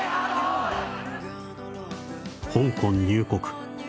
「香港入国！！